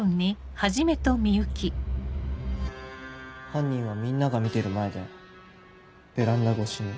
犯人はみんなが見てる前でベランダ越しに。